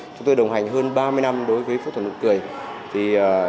chúng tôi đồng hành hơn ba mươi năm đối với phẫu thuật nội cầy